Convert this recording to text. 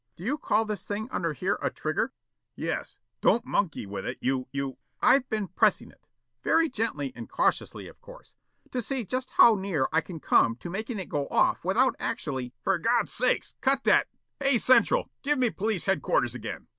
Do you call this thing under here a trigger?" "Yes. Don't monkey with it, you you " "I've been pressing it, very gently and cautiously, of course, to see just how near I can come to making it go off without actually " "For God's sake! Cut that Hey, Central! Give me police headquarters again.